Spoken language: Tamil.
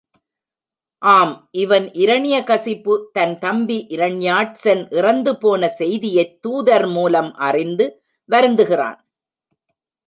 ஆம், இவன் இரணியகசிபு தன் தம்பி இரண்யாட்சன் இறந்து போன செய்தியைத் தூதர் மூலம் அறிந்து வருந்துகிறான்.